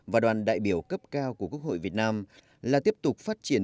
và đoàn đại biểu cấp cao của quốc hội việt nam là tiếp tục phát triển